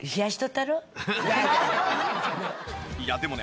いやでもね